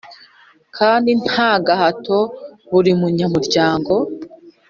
kandi nta gahato Buri munyamuryango